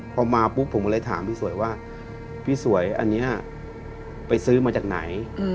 พอมาปุ๊บผมก็เลยถามพี่สวยว่าพี่สวยอันนี้ไปซื้อมาจากไหน